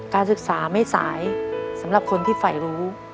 การศึกษาไม่สายสำหรับคนที่ฝ่ายรู้